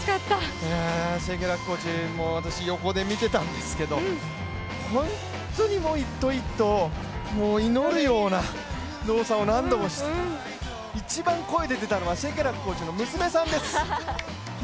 シェケラックコーチも、私、横で見てたんですけど本当にもう一投一投祈るような動作を何度もして、一番声出てたのはシェケラックコーチの娘さんです。